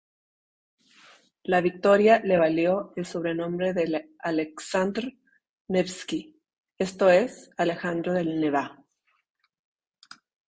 La victoria le valió el sobrenombre de Aleksandr "Nevski", esto es, Alejandro del Nevá.